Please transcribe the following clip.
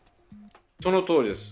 そのとおりです。